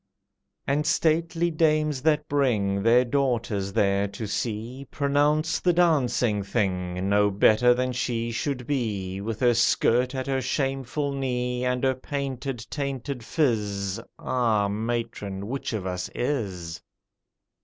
And stately dames that bring Their daughters there to see, Pronounce the "dancing thing" No better than she should be, With her skirt at her shameful knee, And her painted, tainted phiz: Ah, matron, which of us is?